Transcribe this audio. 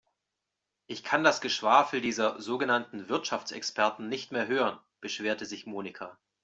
Ich kann das Geschwafel dieses sogenannten Wirtschaftsexperten nicht mehr hören, beschwerte sich Monika.